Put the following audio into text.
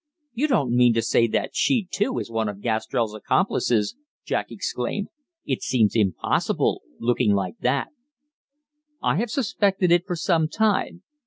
"You don't mean to say that she, too, is one of Gastrell's accomplices!" Jack exclaimed. "It seems impossible looking like that!" "I have suspected it for some time.